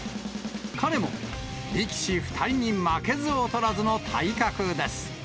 彼も、力士２人に負けず劣らずの体格です。